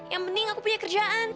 yang penting aku punya kerjaan